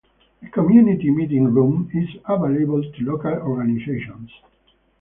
A Community Meeting Room is available to local organizations.